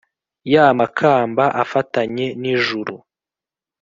ya makamba afatanye n’ijuru